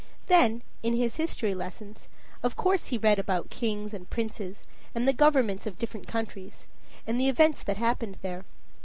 Then, in his history lessons, of course he read about kings and princes, and the governments of different countries, and the events that happened there.